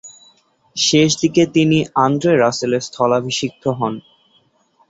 শেষদিকে তিনি আন্দ্রে রাসেলের স্থলাভিষিক্ত হন।